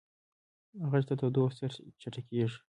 غږ د تودوخې سره چټکېږي.